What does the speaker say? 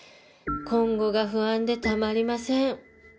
今後が不安でたまりません